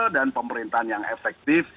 dan pemerintahan yang efektif